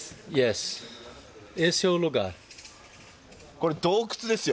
これ洞窟ですよ。